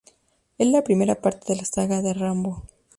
Es la primera parte de la saga de Rambo.